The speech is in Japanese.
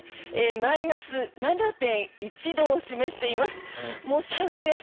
マイナス７．１度を示しています。